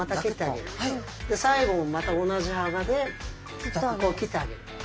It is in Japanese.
最後もまた同じはばで切ってあげる。